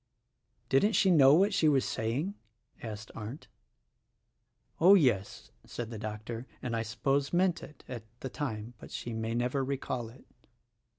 "Didn't she know what she was saying?" asked' Arndt. "Oh, yes," said the doctor, "and I suppose meant it, at the time ; but she may never recall it."